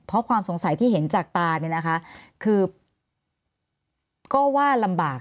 เพราะความสงสัยที่เห็นจากตาเนี่ยนะคะคือก็ว่าลำบาก